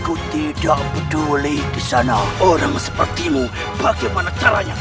aku tidak peduli di sana orang sepertimu bagaimana caranya